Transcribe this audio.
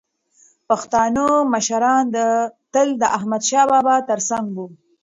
پښتانه مشران تل د احمدشاه بابا تر څنګ وو.